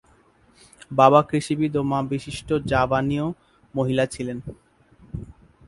বাবা কৃষিবিদ ও মা বিশিষ্ট জাভানীয় মহিলা ছিলেন।